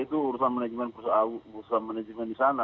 itu urusan manajemen di sana